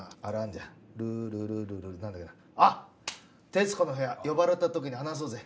『徹子の部屋』呼ばれた時に話そうぜ。